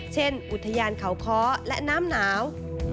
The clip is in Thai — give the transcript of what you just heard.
อุทยานเขาค้อและน้ำหนาว